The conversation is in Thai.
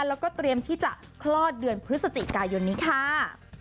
แล้วก็เตรียมที่จะคลอดเดือนพฤศจิกายนนี้ค่ะ